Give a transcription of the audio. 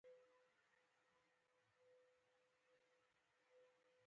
دا کار باید د ډیزاین لیول مطابق اجرا شي